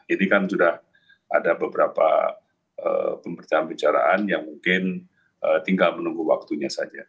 ini kan sudah ada beberapa pembicaraan pembicaraan yang mungkin tinggal menunggu waktunya saja